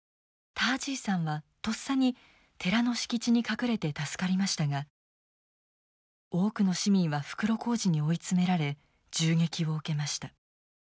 ター・ジーさんはとっさに寺の敷地に隠れて助かりましたが多くの市民は袋小路に追い詰められ銃撃を受けました。